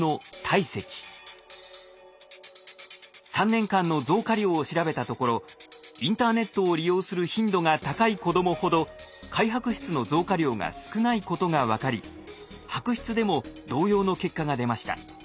３年間の増加量を調べたところインターネットを利用する頻度が高い子どもほど灰白質の増加量が少ないことが分かり白質でも同様の結果が出ました。